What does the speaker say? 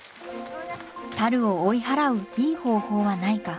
サルを追い払ういい方法はないか。